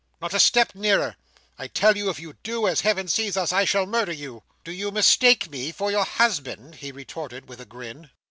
Not a step nearer. I tell you, if you do, as Heaven sees us, I shall murder you!" "Do you mistake me for your husband?" he retorted, with a grin.